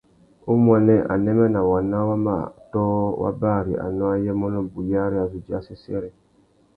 Umuênê, anêmê nà waná wa mà ôtō wa bari anô ayê mônô buriyari a zu djï assêssêrê.